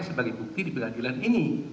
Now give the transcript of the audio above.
sebagai bukti di pengadilan ini